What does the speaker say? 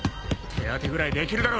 手当てぐらいできるだろ！